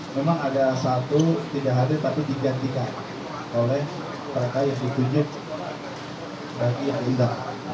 memang ada satu tidak hadir tapi digantikan oleh mereka yang ditunjuk bagi yang tidak